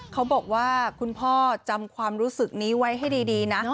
เขาบอกว่าคุณพ่อจำความรู้สึกนี้ไว้ให้ดีนะ